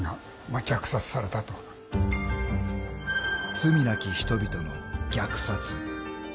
［罪なき人々の虐殺］